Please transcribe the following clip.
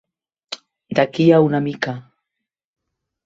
D'aquí a una mica.